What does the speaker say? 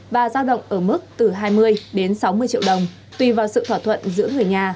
và giao động ở mức từ hai mươi đến sáu mươi triệu đồng tùy vào sự thỏa thuận giữa người nhà